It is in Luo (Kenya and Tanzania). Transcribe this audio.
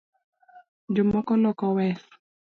Jo moko Loko wes